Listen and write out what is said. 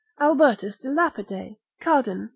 Albertus de Lapid. Cardan.